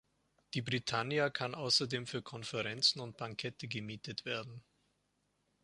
Die "Britannia" kann außerdem für Konferenzen und Bankette gemietet werden.